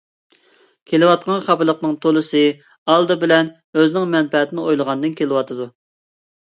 كېلىۋاتقان خاپىلىقنىڭ تولىسى ئالدى بىلەن ئۆزىنىڭ مەنپەئەتىنى ئويلىغاندىن كېلىۋاتىدۇ.